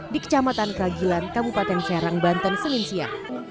di kecamatan kragilan kabupaten serang banten selinsia